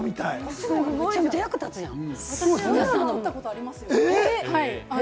めちゃめちゃ役立つやん！